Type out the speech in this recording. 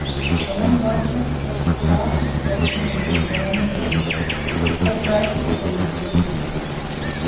And when Roger was quietly sleeping in the adjoining room, they dragged the tree into the kitchen.